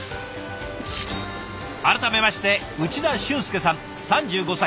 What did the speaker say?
改めまして内田俊佑さん３５歳。